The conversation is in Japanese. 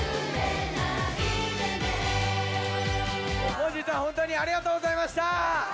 本日は本当にありがとうございました！